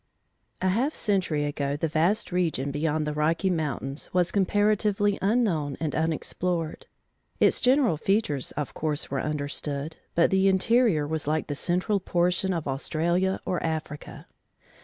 A half century ago the vast region beyond the Rocky Mountains was comparatively unknown and unexplored. Its general features of course were understood, but the interior was like the central portion of Australia or Africa.